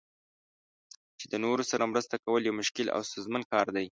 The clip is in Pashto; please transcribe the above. چې د نورو سره مرسته کول یو مشکل او ستونزمن کار دی.